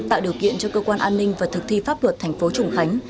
tạo điều kiện cho cơ quan an ninh và thực thi pháp luật thành phố trùng khánh